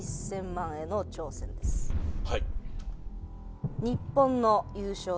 はい。